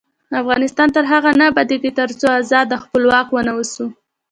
افغانستان تر هغو نه ابادیږي، ترڅو ازاد او خپلواک ونه اوسو.